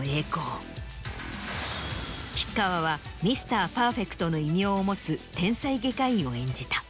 吉川は「ミスター・パーフェクト」の異名を持つ天才外科医を演じた。